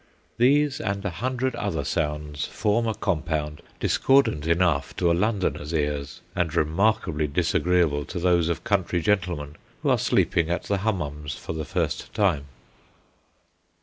These and a hundred other sounds form a compound discordant enough to a Londoner's ears, and remarkably disagreeable to those of country gentlemen who are sleeping at the Hummums for the first time.